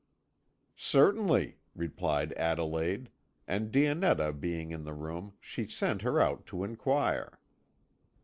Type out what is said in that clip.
"Certainly," replied Adelaide, and Dionetta being in the room, she sent her out to inquire.